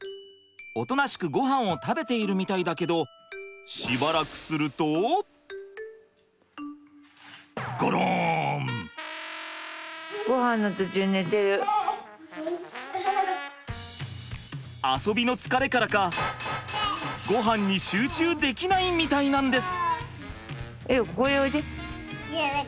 おとなしくごはんを食べているみたいだけど遊びの疲れからかごはんに集中できないみたいなんです。